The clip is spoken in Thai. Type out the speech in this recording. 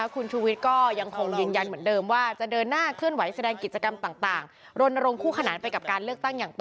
คุณชุวิทย์ก็ยังคงยังยัน